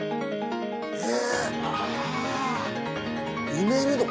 埋めるの？